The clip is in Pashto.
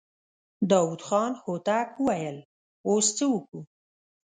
داوود خان هوتک وويل: اوس څه وکو؟